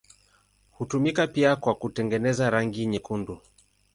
Hutumika pia kwa kutengeneza rangi nyekundu.